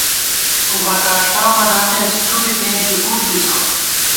اُبہ کاݭٹا مہ دامېس تُوبی تېنݪی اُب بِسہ